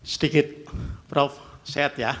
sedikit prof sehat ya